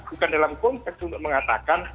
bukan dalam konteks untuk mengatakan